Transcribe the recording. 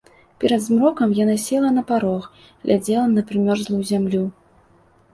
Перад змрокам яна села на парог, глядзела на прымёрзлую зямлю.